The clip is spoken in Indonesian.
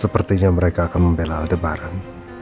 sepertinya mereka akan membela debaran